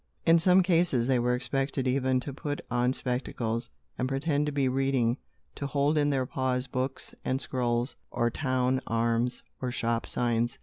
In some cases, they were expected, even, to put on spectacles, and pretend to be reading, to hold in their paws books and scrolls, or town arms, or shop signs.